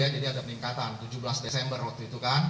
jadi ada peningkatan tujuh belas desember waktu itu kan